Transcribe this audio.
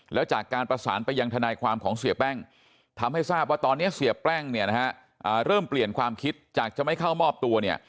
แล้วจากการประสานไปยังทนายความของเสียแป้งทำให้ทราบว่าตอนนี้เสียแป้งเนี่ยนะฮะเริ่มเปลี่ยนความคิดจากจะไม่เข้ามอบตัวเนี่ย